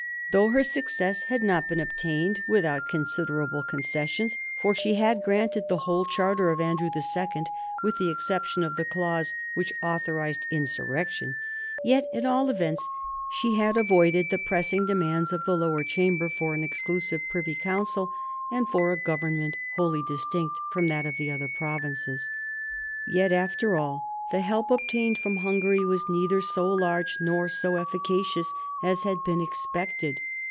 Though 4iei su ccess had not been obtained without c 18 MARIA THERESA chap, i considerable concessions, for she had granted the whole charter of Andrew II. with the exception of the clause which authorised insurrection, yet at all events she had avoided the pressing demands of the Lower Chamber for an exclusive Privy Council, and for a government wholly distinct from that of the other provinces. Yet, after all, the help obtained from Hungary was neither so large nor so efficacious as had been ex pected.